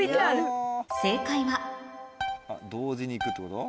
正解は同時にいくってこと？